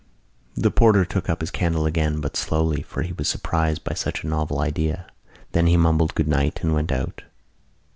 The porter took up his candle again, but slowly for he was surprised by such a novel idea. Then he mumbled good night and went out.